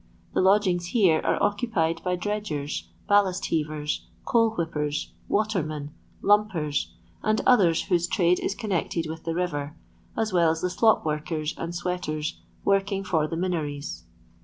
The lodgings here are occupied by dredgers, ballast heavers, coal whip pers, watermen, lumpers, and others whose trade is connected with the river, as well as the slop workers and sweaters working for the Minories.